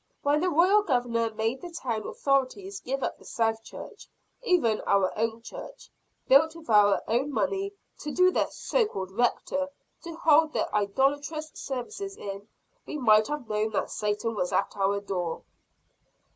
When the royal Governor made the town authorities give up the South Church even our own Church, built with our own money to their so called Rector to hold their idolatrous services in, we might have known that Satan was at our doors!"